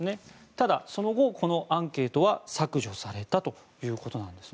ただ、その後このアンケートは削除されたということです。